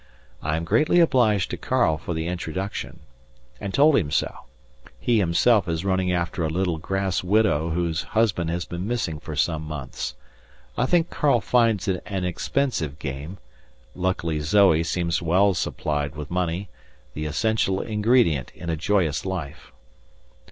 I am greatly obliged to Karl for the introduction, and told him so; he himself is running after a little grass widow whose husband has been missing for some months. I think Karl finds it an expensive game; luckily Zoe seems well supplied with money the essential ingredient in a joyous life.